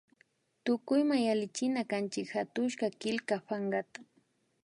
Tukuyma yallichinakanchik hatushka killka pankata